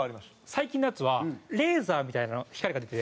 最近のやつはレーザーみたいな光が出て。